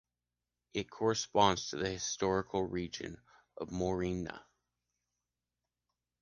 It corresponds to the historical region of Moriana.